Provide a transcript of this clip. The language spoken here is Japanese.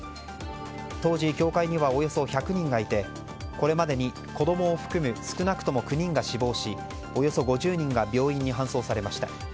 当時、教会にはおよそ１００人がいてこれまでに子供を含む少なくとも９人が死亡しおよそ５０人が病院に搬送されました。